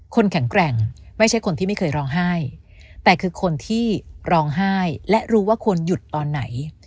แข็งแกร่งไม่ใช่คนที่ไม่เคยร้องไห้แต่คือคนที่ร้องไห้และรู้ว่าควรหยุดตอนไหน